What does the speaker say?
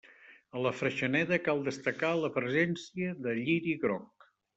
A la freixeneda cal destacar la presència de lliri groc.